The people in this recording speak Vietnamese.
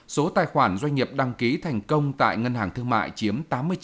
số tài khoản doanh nghiệp đăng ký thành công tại ngân hàng thương mại chiếm tám mươi chín năm mươi tám